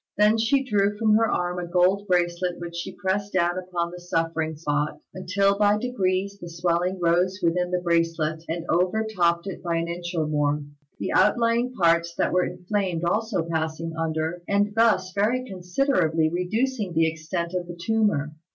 Then she drew from her arm a gold bracelet which she pressed down upon the suffering spot, until by degrees the swelling rose within the bracelet and overtopped it by an inch and more, the outlying parts that were inflamed also passing under, and thus very considerably reducing the extent of the tumour.